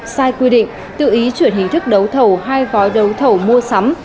sai quy định tự ý chuyển hình thức đấu thầu hai gói đấu thầu mua sắm